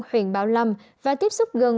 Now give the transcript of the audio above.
huyện bảo lâm và tiếp xúc gần